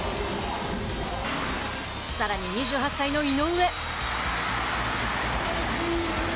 さらに２８歳の井上。